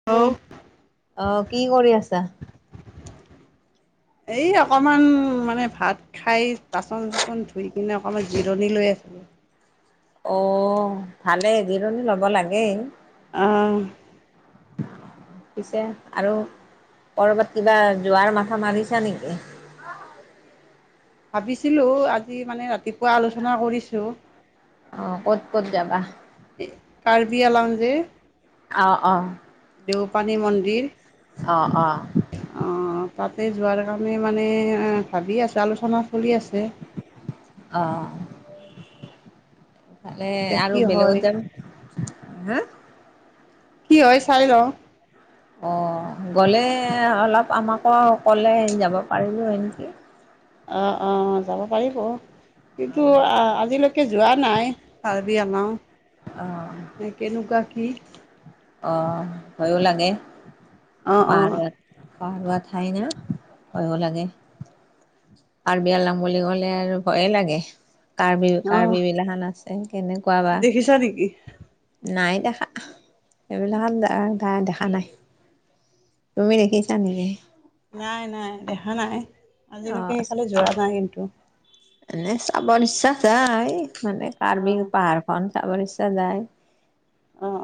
[unintelligible] অ' কি কৰি আছা? এই অকণমান মানে ভাত খাই বাচন চাচন ধুই কিনে অকমান জিৰণি লৈ আছিলো। অ' ভালেই জিৰণি ল'ব লাগেই। অ'। পিছে, আৰু কৰবাত কিবা যোৱাৰ মাথা মাৰিছা নেকি? ভাবিছিলোঁ, আজি মানে ৰাতিপুৱা আলোচনা কৰিছোঁ। অ' ক'ত ক'ত যাবা? কাৰ্বিআংলং যে। অ' অ'। দেওপানী মন্দিৰ। অ' অ'। অ' তাতে যোৱাৰ কাৰণে, মানে ভাবি আছো, আলোচনা চলি আছে। অ', এফালে এতিয়া কি আৰু হয় বেলেগত যাব হা? কি হয়, চাই লওঁ। অ' গ'লে অলপ আমাকো ক'লে যাব পাৰিলোঁ হয় নেকি। অ' অ', যাব পাৰিব। কিন্তু আজিলৈকে যোৱা নাই কাৰ্বিআংলং। অ' অ' ভয়ো লাগে। অঁ অঁ পাহাৰিয়া ঠাই না ভয়ো লাগে। কাৰ্বিআংলং বুলি ক'লে আৰু ভয়ে লাগে। কাৰ্বি অঁ কাৰ্বি বিলাখন আছে কেনেকুৱা বা। দেখিছা নেকি? নাই দেখা, এইবিলাকত ত দেখা নাই। তুমি দেখিছা নেকি? নাই নাই, দেখা নাই, অ আজিলৈকে সেইফালে যোৱা নাই কিন্তু। এনেই চাব ইচ্ছা যায় মানে কাৰ্বি অ', পাহাৰখন চাবৰ, ইচ্ছা যায়। অ',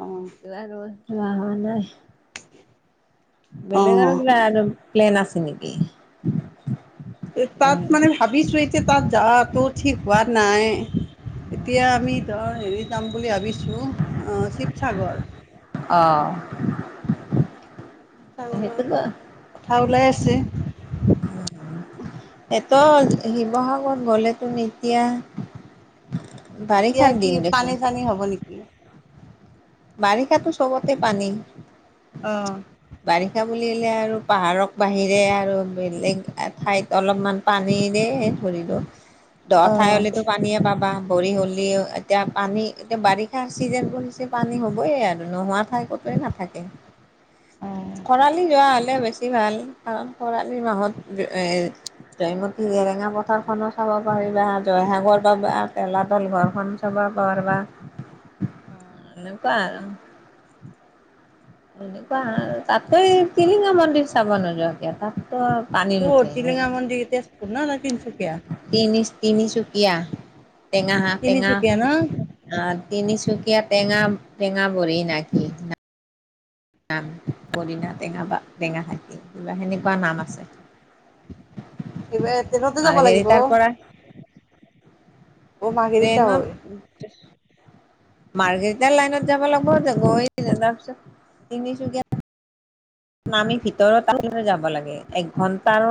আৰু যোৱাৰো নাই। অ', বেলেগ আৰু অ', কিবা আৰু প্লেন আছে নেকি? তাত উম মানে ভাবিছোঁ, এতিয়া তাত যাৱাটো ঠিক হোৱা নাই। এতিয়া আমি ধৰ হেৰি যাম বুলি ভাবিছোঁ আ শিৱসাগৰ। অ'। শিৱসাগৰৰ সেইটোৱ। মানে কথা ওলাই আছে। এটো শিৱসাগৰত গ'লেতো এতিয়া বাৰিষাৰ দিন দেখোন। বানপানী হ'ব নেকি? বাৰিষাটো চবতে পানী। অ'। বাৰিষা বুলিলে আৰু পাহাৰক বাহিৰে আৰু বেলেগ ঠাইত অলপমান পানীৰে ভৰিব। দ ঠাই অ', হ'লেতো পানীয়ে পাবা, ভৰি হ'লেও এতিয়া পানী এতিয়া বাৰিষাৰ চিজেনবোৰ হৈছে। পানী হ'বই আৰু নোহোৱা ঠাই কতোৱেই নাথাকে, অ'। খৰালি যোৱা হলে ভাল, কাৰণ খৰালি মাহত এ জয়মতী জেৰেঙা পথাৰখনো চাব পাৰিবা, জয়সাগৰ পাবা, তলাতল ঘৰ খন চাব পাৰবা। [inaudible] [unintelligible] এনেকুৱা তাতকৈ টিলিঙা মন্দিৰ চাব নোযোৱা কিয়, তাত ত পানী নোথে। প [unintelligible] ন না তিনিচুকীয়া। তিনি তিনিচুকীয়া, টেঙা হাঁ টেঙা তিনিচুকীয়া ন? অ তিনিচুকীয়া টেঙা টেঙা বৰি নাকি? পদিনা টেঙা বা টেঙা খাইতি কিবা সেনেকুৱা নাম আছে। এইবাৰ ট্ৰেইনতে যাব আৰু [unintelligible] গ় লাগিব তাৰ পৰা অ' মাৰ্ঘেৰিটা যেনত হৈ মাৰ্কেটৰ লাইনত যাব লাগিব, গৈ তাৰপিছত তিনিচুকীয়া নামি ভিতৰত আহি যাব লাগে, একঘণ্টাৰ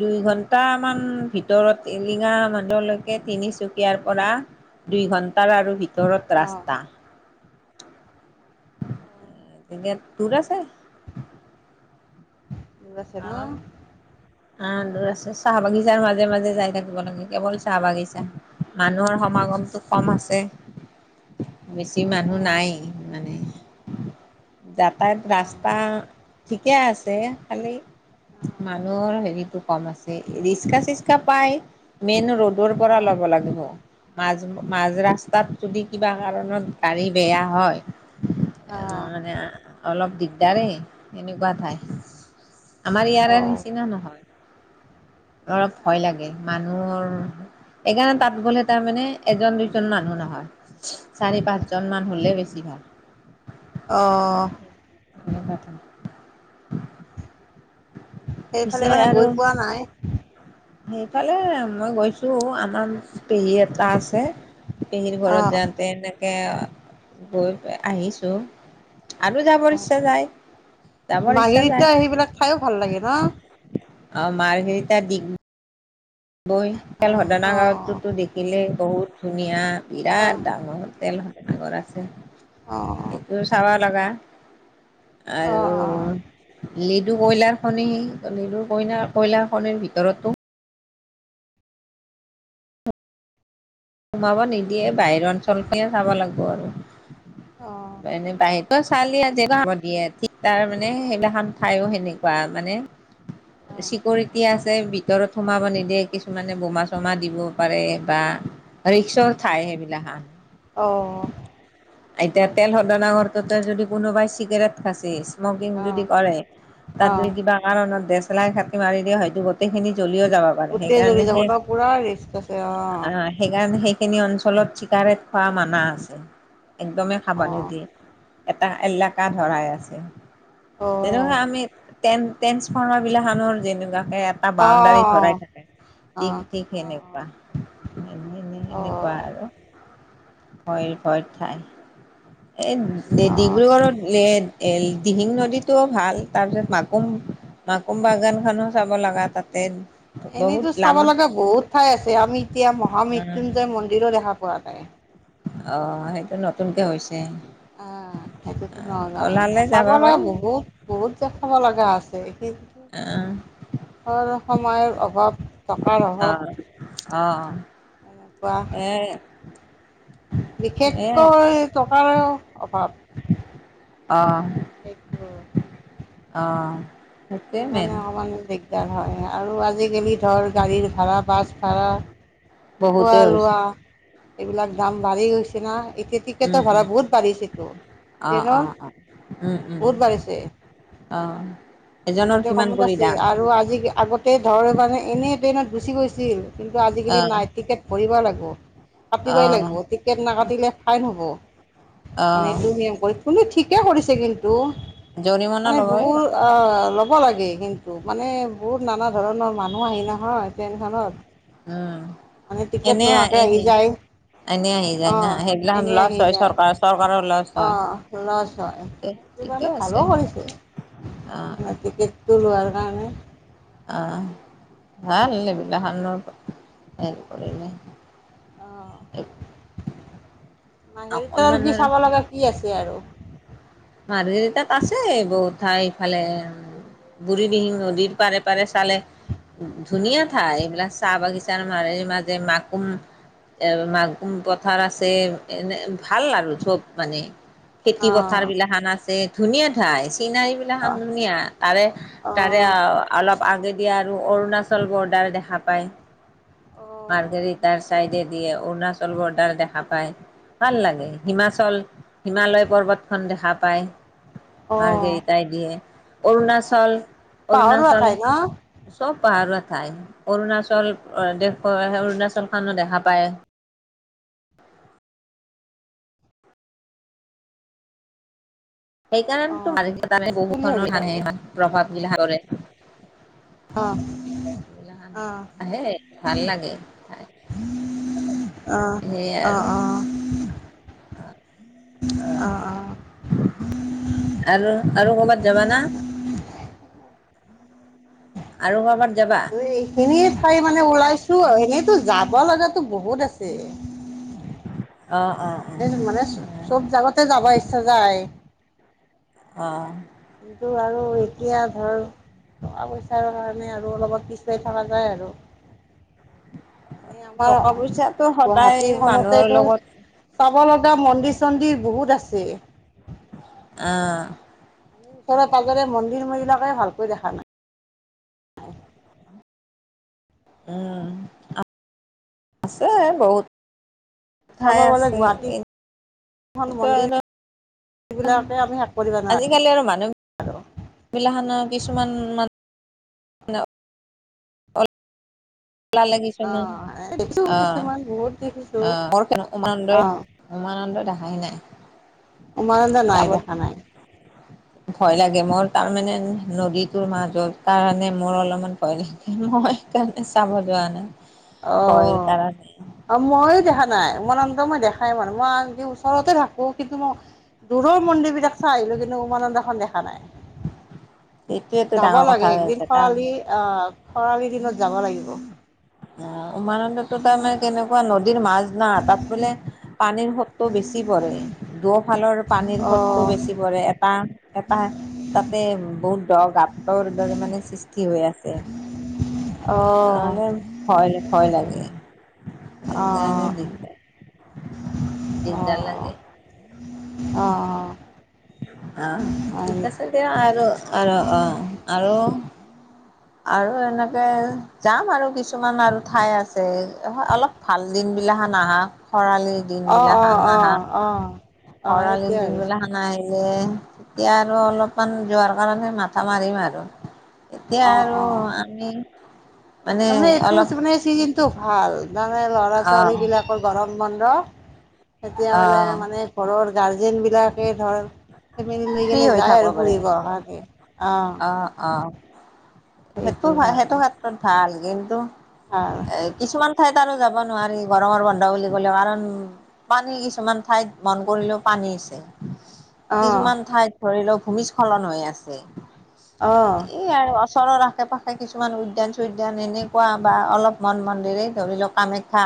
দুই ঘন্টামান ভিতৰত এৰিঙা মানলৈকে তিনিচুকীয়াৰ পৰা দুই ঘণ্টাৰ আৰু তৰত অ'। ৰাস্তা। দূৰ এতিয়া দুৰ আছে। আছে ন? আম। আহ দূৰ আছে, চাহ বাগিচাৰ মাজে মাজে যাই থাকিব লাগে, কেৱল চাহ বাগিচা। মানুহৰ সমাগমটো কম আছে, বেছি মানুহ অ', নাই মানে। যাতায়ত ৰাস্তা ঠিকে আছে, খালি মানুহৰ হেৰিটো কম আছে, ৰিক্কা- চিচ্কা পাই, মেইন ৰোড দৌৰ পৰা ল'ব লাগিব। মাজ মাজ ৰাস্তাত যদি কিবা কাৰণত গাড়ী বেয়া হয়। উ মানে অলপ দিগদাৰেই এনেকুৱা ঠাই। আমাৰ ইয়াৰে নিচিনা নহয়, অলপ ভয় লাগে। মানুহৰ সেইকাৰণে তাত গ'লে তাৰ মানে এজন দুজন মানুহ নহয়। চাৰি - পাঁচজন মান হলে বেছি ভাল। অঁ, হ হয়, সেইফালে পিছে মানে গৈ আৰু পোৱা নাই সেইফালে মই গৈছো, আমাৰ পেহী এটা আছে। পেহীৰ ঘৰত অ', যাওঁতে এনেকে গৈ আহিছো। আৰু যাবৰ অ', ইচ্ছা যায়, যাবৰ ইচ্ছা যায়। খায়ো ভাল লাগে ন? আৰু মাৰ্ঘেৰিটা দি। গৈ তেল অ', অ', শোধনাগাৰটো দেখিলেই বহুত ধুনীয়া অ', বিৰাট ডাঙৰ। তেল ডাঙৰ আছে। অ অ, সেইটো চাব লগা অ', অ', আৰু লিডু কইলাৰখনি লেডু কইলাৰখনিৰ ভিতৰতো সোমাব নিদিয়ে বাহিৰৰ অঞ্চল খে চাব লাগিব আৰু এনে বাহিৰতো ঠালি [unintelligible] দিয়ে ঠিক তাৰ মানে সেইবিলাখান খায়ো সেনেকুৱা মানে অ', চিকৰটি আছে, ভিতৰত সোমাব নিদিয়ে, কিছু কিছুমানে বমা - চমা দিব পাৰে বা ৰিক্সৰ ঠাই সেইবিলাক। অ, এতিয়া তেল সদনাগাৰটোতে যদি কোনোবাই চিগাৰেট খাচি সকিং যদি অ' কৰে তাত অ' কিবা কাৰণত দেচেলাই মাৰি দিয় হয়তো গোটেইখিনি জ্বলিও যাব পাৰে গোটেই জ্বলি সেইকাৰণে যাব সেই তই পুৰা ৰিস্ক আছে অ। আহ সেইকাৰণে সেইখিনি অঞ্চলত চিকাৰেট খোৱা মানা আছে একদমেই খাব অ', নিদিয়ে এটা এলেকা ধৰাই আছে যেনেকুৱা অ', আমি ট্ৰে ট্ৰেন্ঞ্চফাৰৰ্মাৰবিলাক আানৰ যেনেকুৱাকৈ টা বাউণ্ডাৰী অ', অ', ধৰাই থাকে অ', ঠিক ঠিক কেনেকুৱা এনে এনে অ', এনেকুৱা অ', আৰু, ভয়ৰ ভয় ঠাই, এই অ', ডিব্ৰুগড়ত এ এ দিহিং নদীতটোও ভাল তাৰ পিছত মাকুম মাকুম বাগানখন নো চাব লগা তাতে বহুত এনেইতো চাব লামা লগা বহুত ঠাই আছে, আমি এতিয়া মহামৃত্যুঞ্জয় মন্দিৰো দেখা পোৱা যায়। অ', সেইটো নতুনকে হৈছে। অ', সেইটোতো নযাওঁ, ওলালে চাব যাবা লগা পাৰি বহুত বহুত যে খাব লগা আছে। কিন্তু আহ সময়ৰ অভাৱ টকাৰ অভাৱ আহ, অ'। এনেকুৱা, এ বিশেষকৈ টকাৰে অভাৱ। অ'। সেইটো অ'। সেই কাৰণে অকণমান দিগদাৰ হয়, আৰু আজিকালি ধৰ গাড়ীৰ ভা়ৰা বাছ ভা়ৰা খোৱা বহুতে হৈছে লোৱা, এইবিলাক দাম বাঢ়ি গৈছে না এতি উম টিকেটৰ উম ভাড়া উম বহুত বাঢ়িছেতো, অ অ ট্ৰেইনৰ, অ উম উম বহুত বাঢ়িছে। অ'। এজনৰ আগতে কিমান কমত কৰি আছে দাম আৰু আজি আগতে ধৰ মানে এনেই ট্ৰেইনত গুচি গৈছিল। কিন্তু আজিকালি আহ নাই টিকেট ভৰিবই লাগিব, কাটিবই আহ লাগিব টিকেট নাকাটিলে ফাইন হ'ব, মানে আহ এইটো কৰি কোনটো ঠিকে কৰিছে কিন্তু। জৰিমনা মানে ল'বই বহুত আ ল'ব লাগে কিন্তু মানে বহুত নানা ধৰণৰ মানুহ আহে নহয়। ট্ৰেইনখনত, উম মানে টিকেট এনে নোহাকে আহি এনে যায়। এনে আহি যায় না অ', সেইবিলাক এনে লছ আহি হয় যায় চৰকাৰ চৰকাৰৰ লছ হয় অ', লছ হয়। স ঠিকে কাৰণে আছে ভালোও কৰিছে। অ'। টিকেত টো লোৱাৰ কাৰণে অ', ভাল এইবিলাখনৰ হেৰি কৰিলে অঁ এক মাহেৰিতাৰ কি আৰু চাব লগা কি আছে আৰু। মাৰঘেৰিতাত আছে বহুত ঠাই ইফালে বুঢ়ী দিহি নদীৰ পাৰে পাৰে চালে। ধুনীয়া ঠাই, এইবিলাক চাহ বাগিচাৰ মাজে মাজে মাকুম মাগুম পথাৰ আছে। এনে ভাল আৰু চব মানে, খেতি পথাৰ অ' বিলাকখান আছে। ধুনীয়া ঠাই, চিনাৰী বিলাখান অ' ধুনীয়া তাৰে তাৰে অ' অলপ আগেদিয়ে আৰু অৰুণাচল বৰ্ডাৰ দেখা পায়, অ' মাৰঘেৰিতা চাইডে দিয়ে অৰুণাচল বৰ্ডাৰ দেখা পায়। ভাল লাগে, হিমাচল হিমালয় পৰ্বতখন দেখা পায়। অ' মাৰ্ঘেৰিটাই দি, অৰুণাচল, পাহৰুৱা অৰুণাচল ঠাই ন চব পাহাৰৰ ঠাই, অৰুণাচল দেখুৱা অৰুণাচলখনো দেখা পায়। সেইকাৰণ অ' বহুত ধৰ বুলি ভাবিলোঁ মানো প্ৰভাৱ মলা কৰে। অ' এই অ' অ' আহে, ভাল লাগে খাই অ', অ' অ'। অ' আৰু, আৰু কৰ'বাত যাবা না? আৰু কৰ'বাত যাবা? এইখিনিয়ে ঠাই মানে ওলাইছো, এনেতো যাব লগাতো বহুত আছে। অ' অ'। মানে অ মানে চব জাগাতে যাব ইচ্ছা যায়। অ'। কিন্তু আৰু এতিয়া ধৰ টকা পইচাৰ কাৰণে আৰু অলপত পিছাই থকা যায় আৰু এনেই আমাৰ টকা পইচাটো সদায় মানুহৰ গুৱাহাটীখনতেতো লগত চাব লগা মন্দিৰ চন্দিৰ বহুত আছে অ' আমি ওচৰে পাঁজৰে মন্দিৰ বিলাকে ভালকৈ দেখা নাই উম। আছে বহুত চাব ঠাই গলে আছে গুৱাহাটী কিন্তু মন্দিৰ আৰু বিলাকে আমি [unintelligible] আজিকালি আৰু মানুহ গিলাখানৰ কিছুমান মান ন লাগিছে অ ন দেখিছো অ কিছুমান বহুত দেখিছো অ উমানন্দ অ উমানন্দই দেখায় নাই। উমানন্দ নাই যাব দেখা নাই ভয় লাগে মোৰ তাৰ মানে নদীটোৰ মাজত কাৰণে মোৰ অলপমান মই সেইকাৰণে চাব যোৱা নাই। ভয়ৰ অ' কাৰণে অ মইয়ো দেখা নাই উমানন্দ মই দেখাই পোৱা নাই মই আনকি ওচৰতে থাকো কিন্তু মই দূৰৰ মন্দিৰ বিলাক চাই আহিলো কিন্তু উমানন্দখন দেখা নাই সেইটোৱেতো যাব ডাঙৰ কথা লাগে হৈ একদিন আছে কাৰণ খৰালি অ খৰালি দিনত যাব লাগিব। অ উমানন্দটো তাৰমানে কেনেকুৱা নদীৰ মাজ না তাত বোলে পানীৰ সুটটো বেছি পৰে দুফালৰ পানীৰ অ', সুটটো অ', বেছি পৰে এটা এটা তাতে বহুত দ' গাতৰ দৰে মানে সৃষ্টি হৈ আছে। [unintelligible] ভয় ভয় লাগে অ', সেইকাৰণে অ', দিগদাৰ দিগদাৰ লাগে। অ অ। অ ঠিক আছে দিয়া আৰু আৰু অ আৰু আৰু এনেকে যাম আৰু কিছুমান আৰু ঠাই আছে অলপ ভাল দিনবিলাক নাহাক খৰালিৰ অ', দিনবিলাক অ', অ', নাহাক অ। খৰালি সেইটোৱে ভাবিছোঁ দিনবিলাক নাহিলে তেতিয়া আৰু অলপমান যোৱাৰ কাৰণে মাথা মাৰিম আৰু এতিয়া অ', আৰু অ', আমি মানে তাৰমানে অলপ এইটো মানে চিজনটো ভাল তাৰমানে ল'ৰা আহ ছোৱালীবিলাক গৰম বন্ধ এতিয়া বলে আহ মানে ঘৰৰ গাৰ্জেন বিলাকে ধৰ ফেমিলি লৈ ফ্ৰী কিনে হৈ যায় থাকিব আৰু পাৰিম ফুৰিব কাৰণে অ। সেইটো হয় সেইটো ক্ষেত্ৰত ভাল কিন্তু অ এ কিছুমান ঠাইত আৰু যাব নোৱাৰি গৰমৰ বন্ধ বুলি ক'লে কাৰণ পানীৰ কিছুমান ঠাইত মন কৰিলেও পানী হৈছে অ', কিছুমান ঠাইত ধৰিলক ভূমিস্খলন হৈ আছে। অ'। এই আৰু ওচৰৰ আশে পাশে কিছুমান উদ্যান চুদ্যান এনেকুৱা বা অলপ মন মন্দিৰেই ধৰি লওক কামাখ্যা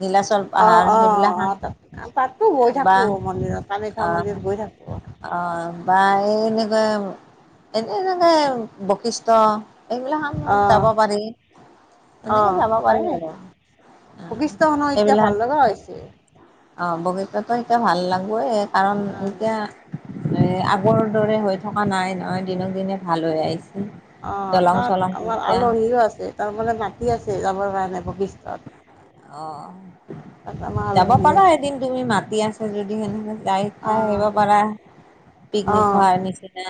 নীলাচল অ পাহাৰ অ সেইবিলাক অ তাত তাতো গৈ বা থাকো মন্দিৰত কাম্যাখ্যা মন্দিৰত গৈ থাকো। অ বা এনেকুৱা এনে এনেকে বশিষ্ট এইবিলাক যাব অ', পাৰি এনেকে অ', যাব পাৰি পাৰে আৰু বশিষ্ঠখনো এতিয়া ভাল এইবিলাক লগা হৈছে। অহ, বৈশিষ্ট্যটো এতিয়া ভাল লাগবোয়ে কাৰণ উম এতিয়া আগৰ দৰে হৈ থকা নাই নহয়, দিনক দিনে ভাল হৈ আহিছে। অহ, দলং তাত চলং আমাৰ এতিয়া আলহীও আছে তাৰমানে মাটি আছে যাবৰ কাৰণে বৈশিষ্ট্যত। অহ। তাৰপা। যাব পাৰা এদিন তুমি মাতি আছে যদি সেনেকা যাই খাই আহিব অ', পাৰা। পিকনিক অ', খোৱাৰ নিচিনা।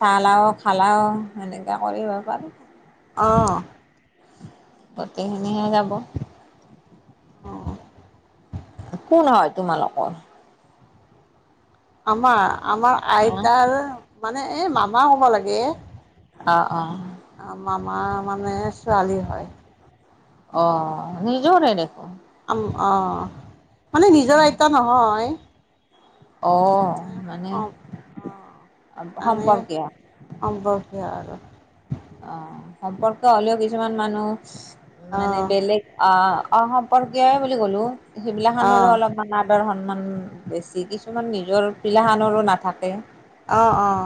চালাওঁ, খালাওঁ সেনেকুৱা কৰিব পাৰোঁ। অহ। গোটেইখিনিহে যাব। অ'। একো নহয় তোমালোকৰ। আমাৰ, আমাৰ আহ আইতাৰ মানে এ মামা ক'ব লাগে। অহ', অহ'। মামা মানে ছোৱালী হয়। অহ, নিজৰে দেখোন। আম অহ, মানে নিজৰ আইতা নহয়। অহ, এনে মানে অ', মানে সম্পৰ্কীয়। সম্পৰ্কীয় আৰু। অহ, সম্পৰ্কীয় হ'লেও কিছুমান মানুহ মানে অ', বেলেগ অ', অ' সম্পৰ্কীয় বুলি ক'লো, সেইবিলাক খানৰো অ', অলপমান আদৰ সন্মান বেছি কিছুমান নিজৰ গিলাখানৰো নাথাকে। অহ', অহ'।